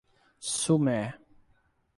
Sumé